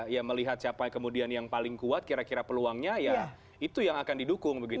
ya melihat siapa yang kemudian yang paling kuat kira kira peluangnya ya itu yang akan didukung begitu